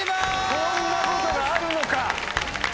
こんなことがあるのか！